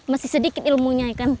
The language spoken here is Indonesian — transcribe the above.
masih sedikit ilmunya kan